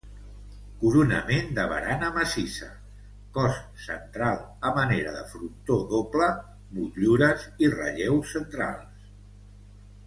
Coronament de barana massissa, cos central a manera de frontó doble, motllures i relleus centrals.